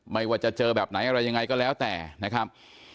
ไม่ว่าจะเจอแบบไหนอะไรยังไงก็แล้วแต่นะครับ